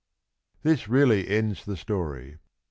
This really ends the story.